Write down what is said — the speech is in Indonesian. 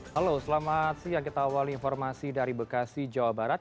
halo selamat siang kita awali informasi dari bekasi jawa barat